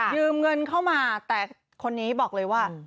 เงินเข้ามาแต่คนนี้บอกเลยว่า